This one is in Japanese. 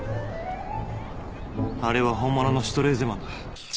あれは本物のシュトレーゼマンだ。